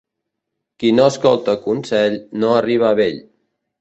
Qui no escolta consell no arriba a vell.